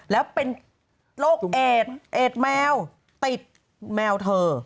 แล้วเป็นโรคเอดเอดแมวติดแมวเธอ